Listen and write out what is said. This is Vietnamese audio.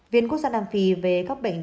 viện quốc gia nam phi về các bệnh